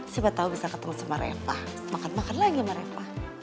siapa tahu bisa ketemu sama reva makan makan lagi sama reva